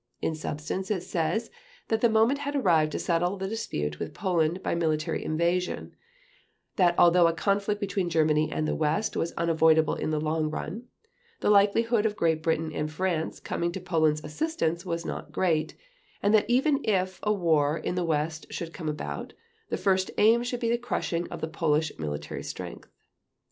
In substance it says that the moment had arrived to settle the dispute with Poland by military invasion, that although a conflict between Germany and the West was unavoidable in the long run, the likelihood of Great Britain and France coming to Poland's assistance was not great, and that even if a war in the West should come about, the first aim should be the crushing of the Polish military strength.